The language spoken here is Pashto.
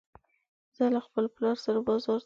زه له خپل پلار سره بازار ته ځم